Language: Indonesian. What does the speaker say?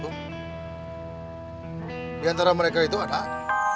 yang antara mereka itu atas